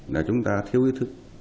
là chúng ta thiếu ý thức